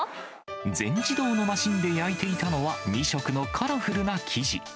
全自動のマシンで焼いていたのは、２色のカラフルな生地。